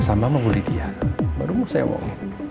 sama mengulid dia baru mau sewong